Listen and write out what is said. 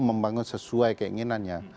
membangun sesuai keinginannya